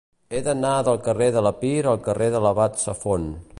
He d'anar del carrer de l'Epir al carrer de l'Abat Safont.